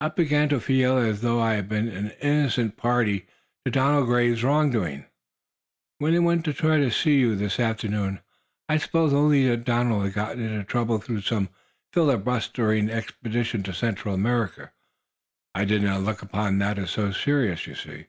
"I began to feel as though I had been an innocent party to Donald Graves's wrongdoing. When I went to try to see you, this afternoon, I supposed only that Donald had gotten into trouble through some filibustering expedition to Central America. I did not look upon that as so serious, you see.